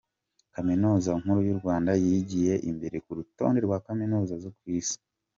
Kaminuza Nkuru y’u Rwanda yigiye imbere ku rutonde rwa Kaminuza zo ku isi